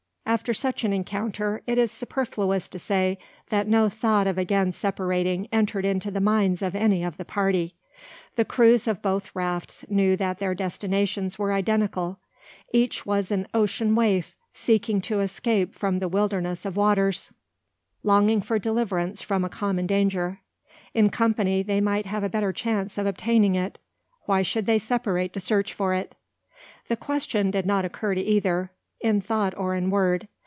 After such an encounter, it is superfluous to say that no thought of again separating entered into the minds of any of the party. The crews of both rafts knew that their destinations were identical. Each was an ocean waif, seeking to escape from the wilderness of waters, longing for deliverance from a common danger. In company they might have a better chance of obtaining it. Why should they separate to search for it? The question did not occur to either, in thought or in word.